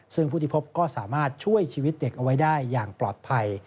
ซึ่งผู้ที่พบก็สามารถช่วยชีวิตเด็กเอาไว้ได้อย่างปลอดภัย